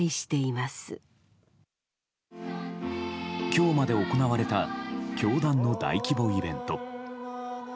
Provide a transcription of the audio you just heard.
今日まで行われた教団の大規模イベント。